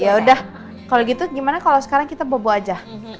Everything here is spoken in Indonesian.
yaudah kalau gitu gimana kalau sekarang kita bobo aja